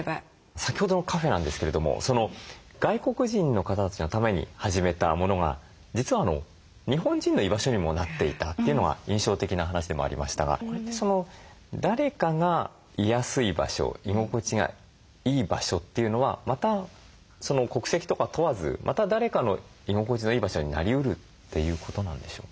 先ほどのカフェなんですけれども外国人の方たちのために始めたものが実は日本人の居場所にもなっていたというのは印象的な話でもありましたがこれって誰かが居やすい場所居心地がいい場所というのはまた国籍とか問わずまた誰かの居心地のいい場所になりうるということなんでしょうかね。